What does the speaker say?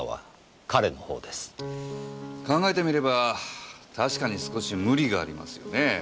考えてみればたしかに少し無理がありますよねぇ。